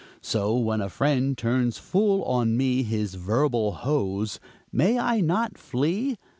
So when a friend turns full on me His verbal hose, may I not flee?